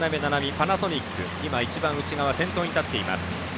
パナソニックが先頭に立っています。